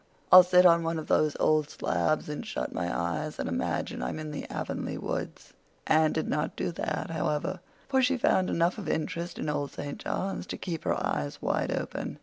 I'll sit on one of those old slabs and shut my eyes and imagine I'm in the Avonlea woods." Anne did not do that, however, for she found enough of interest in Old St. John's to keep her eyes wide open.